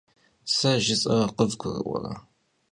Se jjıs'er khıvgurı'uere?